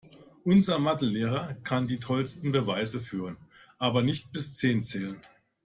Unser Mathe-Lehrer kann die tollsten Beweise führen, aber nicht bis zehn zählen.